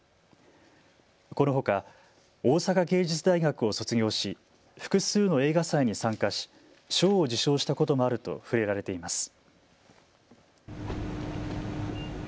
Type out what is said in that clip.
このほか大阪芸術大学を卒業し複数の映画祭に参加し賞を受賞したこともあると触れられています。